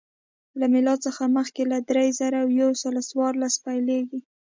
له میلاد څخه مخکې له درې زره یو سل څوارلس پیلېږي